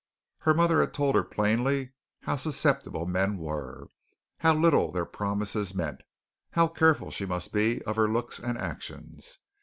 Her mother had told her plainly how susceptible men were, how little their promises meant, how careful she must be of her looks and actions.